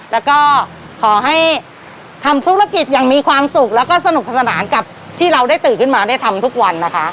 แล้วก็ขอให้ทำธุรกิจอย่างมีความสุขแล้วก็สนุกสนานกับที่เราได้ตื่นขึ้นมาได้ทำทุกวันนะคะ